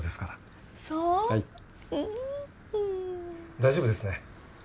大丈夫ですね。